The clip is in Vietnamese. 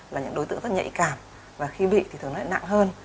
là những đối tượng rất nhạy cảm và khi bị thì thường lại nặng hơn